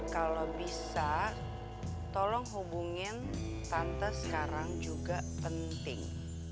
kalau bisa tolong hubungin tante sekarang juga penting